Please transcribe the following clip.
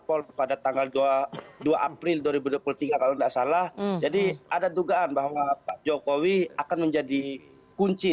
pol pada tanggal dua april dua ribu dua puluh tiga kalau tidak salah jadi ada dugaan bahwa pak jokowi akan menjadi kunci